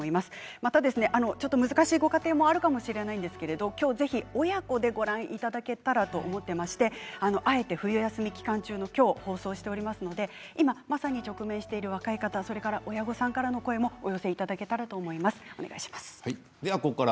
また難しいご家庭もあるかもしれないですけど今日ぜひ親子でご覧いただけたらと思っていましてあえて冬休み期間中の今日に放送しておりますので今まさに直面している若い方親御さんからの声もお寄せいただけたらと思います。